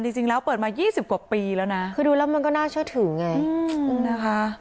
จริงแล้วเปิดมา๒๐กว่าปีแล้วนะคือดูแล้วมันก็น่าเชื่อถือไงนะคะ